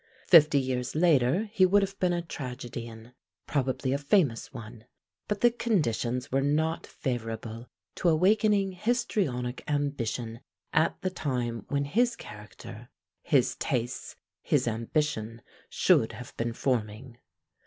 Fifty years later he would have been a tragedian probably a famous one, but the conditions were not favorable to awakening histrionic ambition at the time when his character, his tastes, his ambition should have been forming.